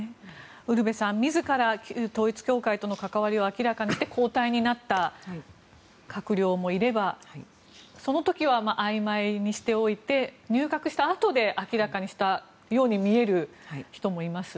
ウルヴェさん自ら統一教会との関わりを明らかにして交代になった閣僚もいればその時はあいまいにしておいて入閣したあとに明らかにしたように見える人もいます。